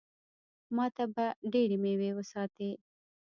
ما ته به ډېرې مېوې وساتي.